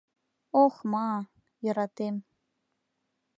Ох-ма, йӧратем